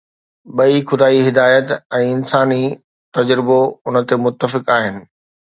ٻئي خدائي هدايت ۽ انساني تجربو ان تي متفق آهن.